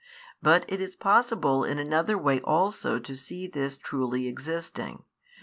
But it is possible in another way also to see this truly existing.